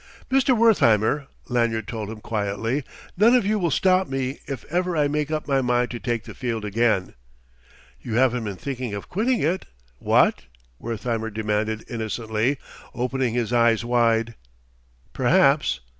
"Mr. Wertheimer," Lanyard told him quietly, "none of you will stop me if ever I make up my mind to take the field again." "You haven't been thinking of quitting it what?" Wertheimer demanded innocently, opening his eyes wide. "Perhaps..."